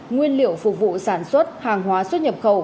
nguyên liệu phục vụ sản xuất hàng hóa xuất nhập khẩu